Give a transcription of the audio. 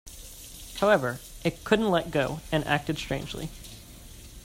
However, it couldn't let go, and acted strangely.